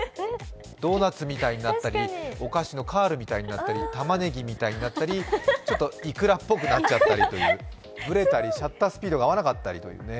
ドーナツみたいになったり、お菓子のカールみたいになったりたまねぎみたいになったりちょっといくらっぽくなったりブレたり、シャッタースピードが合わなかったりというね。